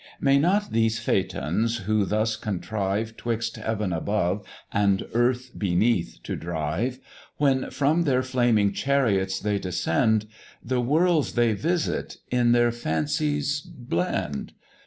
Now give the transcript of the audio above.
May not these Phaetons, who thus contrive 'Twixt heaven above and earth beneath to drive, When from their flaming chariots they descend, The worlds they visit in their fancies blend?